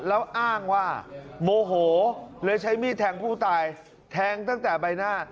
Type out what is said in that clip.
แล้วอ้างว่าโมโหเลยใช้มีดแทงผู้ตายแทงตั้งแต่ใบหน้า